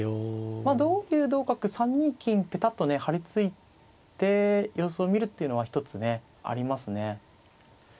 まあ同竜同角３二金ペタッとね張り付いて様子を見るっていうのは一つねありますね。